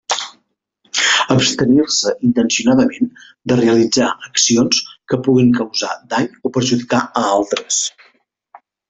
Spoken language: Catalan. Abstenir-se intencionadament de realitzar accions que puguin causar dany o perjudicar a altres.